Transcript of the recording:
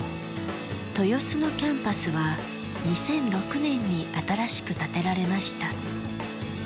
豊洲のキャンパスは、２００６年に新しく建てられました。